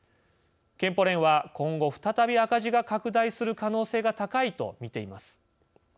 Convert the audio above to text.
健保連は「今後再び赤字が拡大する可能性が高い」と見ています。